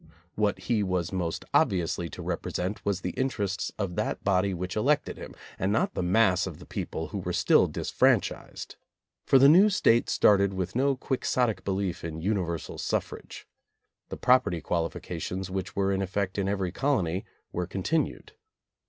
What he was most obviously to represent was the interests of that body which elected him, and not the mass of the people who were still disfranchised. For the new State started with no Quixotic belief in universal suf frage. The property qualifications which were in effect in every colony were continued.